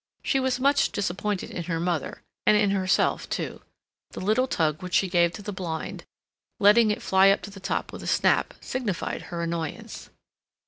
She was much disappointed in her mother—and in herself too. The little tug which she gave to the blind, letting it fly up to the top with a snap, signified her annoyance.